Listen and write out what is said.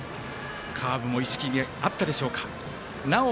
カーブも意識にあったでしょうか。